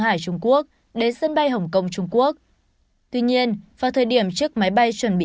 hải trung quốc đến sân bay hồng kông trung quốc tuy nhiên vào thời điểm chiếc máy bay chuẩn bị